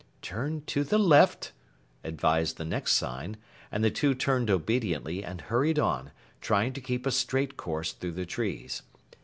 "Turn to the left," advised the next sign, and the two turned obediently and hurried on, trying to keep a straight course through the trees.